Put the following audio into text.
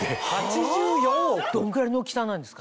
⁉どんぐらいの大きさなんですか？